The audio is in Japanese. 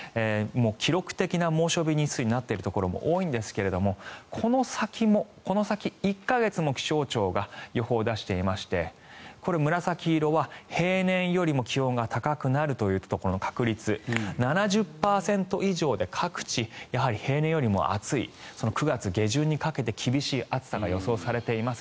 記録的な猛暑日日数になっているところも多いんですがこの先１か月も気象庁が予報を出していましてこれは紫色は平年よりも気温が高くなるというところの確率７０％以上で各地平年よりも暑い９月下旬にかけて厳しい暑さが予想されています。